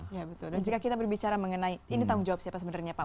ya betul dan jika kita berbicara mengenai ini tanggung jawab siapa sebenarnya pak